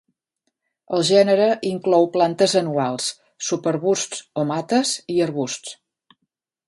El gènere inclou plantes anuals, subarbusts o mates i arbusts.